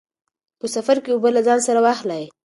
په سفر کې اوبه له ځان سره واخلئ.